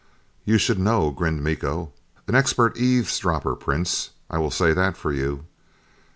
"You should know," grinned Miko. "An expert eavesdropper, Prince, I will say that for you....